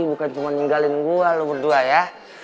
bukan cuma ninggalin gue lah berdua ya